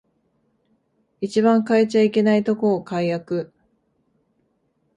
一番変えちゃいけないとこを改悪